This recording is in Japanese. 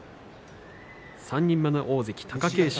３人目の大関、貴景勝